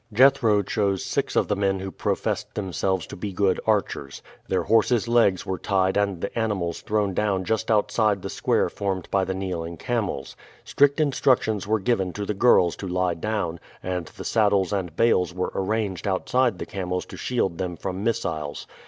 Jethro chose six of the men who professed themselves to be good archers. Their horses' legs were tied and the animals thrown down just outside the square formed by the kneeling camels. Strict instructions were given to the girls to lie down, and the saddles and bales were arranged outside the camels to shield them from missiles.